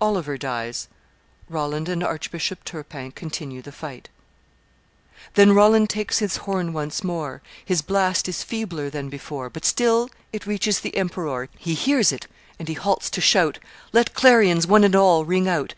(Oliver dies: Roland and Archbishop Turpin continue the fight.) "Then Roland takes his horn once more; His blast is feebler than before, But still it reaches the emperor He hears it, and he halts to shout, 'Let clarions, one and all, ring out!